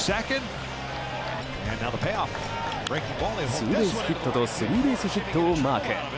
ツーベースヒットとスリーベースヒットをマーク。